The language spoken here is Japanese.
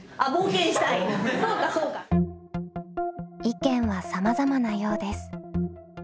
意見はさまざまなようです。